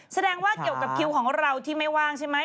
แสดงว่าเกี่ยวกับคิวของเราที่ไม่ว่างใช่ไหม